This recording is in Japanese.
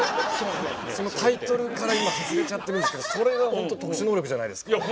そのタイトルから今外れちゃってるんですけどそれが本当特殊能力じゃないですか。